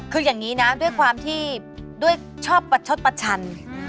คืออย่างนี้นะด้วยความที่ด้วยชอบประชดประชัน